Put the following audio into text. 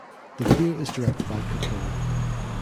The video is directed by Capone.